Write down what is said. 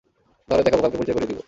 তাহলে দেখাব, কালকে পরিচয় করিয়ে দিব।